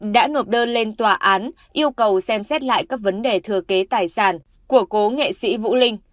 đã nộp đơn lên tòa án yêu cầu xem xét lại các vấn đề thừa kế tài sản của cố nghệ sĩ vũ linh